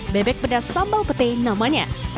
bebek pedas sambal petai namanya